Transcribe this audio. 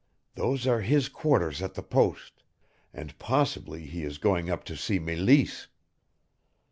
Those are his quarters at the post, and possibly he is going up to see Meleese.